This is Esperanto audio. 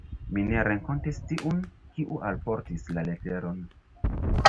Mi ne renkontis tiun, kiu alportis la leteron.